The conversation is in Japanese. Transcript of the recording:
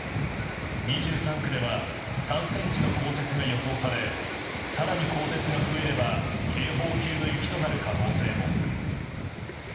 ２３区では３ｃｍの降雪が予想され更に降雪が増えれば警報級の雪となる可能性も。